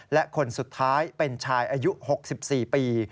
และคนสุดท้ายเป็นชายอายุ๖๔ปี